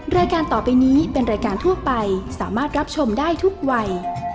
รายการต่อไปนี้เป็นรายการทั่วไปสามารถรับชมได้ทุกวัย